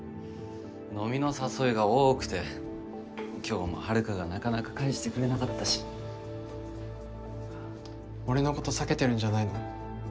飲みの誘いが多くて今日も遥がなかなか帰してくれなかったし俺のこと避けてるんじゃないの？